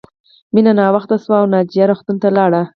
مینه ناوخته شوه او ناجیه روغتون ته لاړه